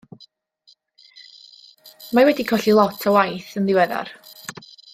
Mae wedi colli lot o waith yn ddiweddar.